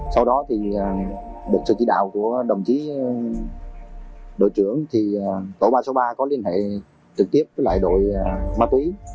sau đó thì được sự chỉ đạo của đồng chí đội trưởng thì tổ ba trăm sáu mươi ba có liên hệ trực tiếp với lại đội ma túy